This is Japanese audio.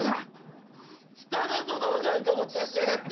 汚えぞ道具なんか持ち出しやがって。